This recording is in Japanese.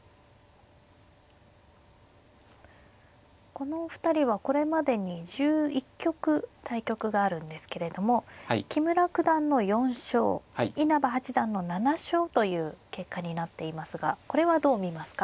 このお二人はこれまでに１１局対局があるんですけれども木村九段の４勝稲葉八段の７勝という結果になっていますがこれはどう見ますか？